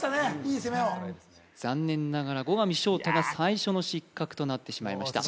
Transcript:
いい攻めを残念ながら後上翔太が最初の失格となってしまいました